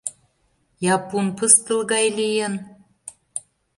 Я пун пыстыл гай лийын?